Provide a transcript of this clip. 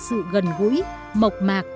sự gần gũi mộc mạc